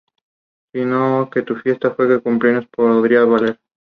sino que tu fiesta de cumpleaños podría valer